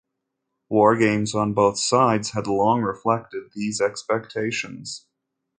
War games on both sides had long reflected these expectations.